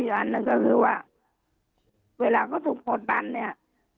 อีกอันนั้นก็คือว่าเวลาก็ถูกโผดดันเนี้ย